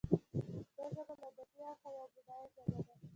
پښتو ژبه له ادبي اړخه یوه بډایه ژبه ده.